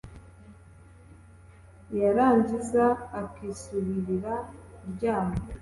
yarangiza akisubirira kuryama.